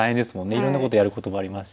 いろんなことやることがありますし。